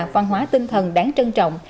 văn hóa tinh thần đáng trân trọng